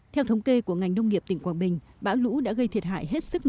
theo thống kê của ngành nông nghiệp tỉnh quảng bình bão lũ đã gây thiệt hại hết sức nặng